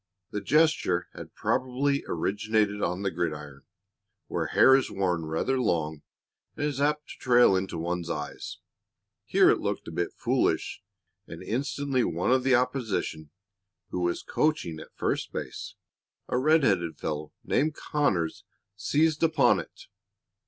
The gesture had probably originated on the gridiron, where hair is worn rather long and is apt to trail into one's eyes; here it looked a bit foolish, and instantly one of the opposition, who was coaching at first base, a red headed fellow named Conners, seized upon it.